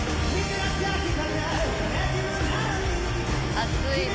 熱いね。